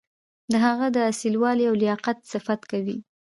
د هغه د اصیل والي او لیاقت صفت کوي.